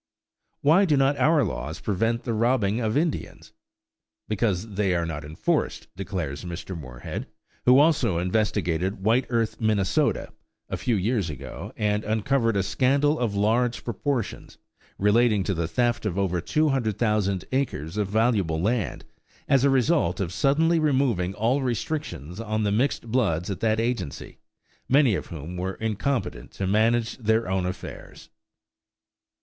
"Why do not our laws prevent the robbing of Indians? Because they are not enforced," declares Mr. Moorehead, who also investigated White Earth, Minnesota, a few years ago, and uncovered a scandal of large proportions, relating to the theft of over two hundred thousand acres of valuable land, as a result of suddenly removing all restrictions on the mixed bloods at that agency, many of whom were incompetent to manage their own affairs.